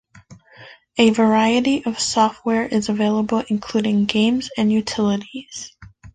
A variety of software is available including games and utilities.